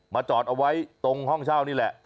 จอดเอาไว้ตรงห้องเช่านี่แหละ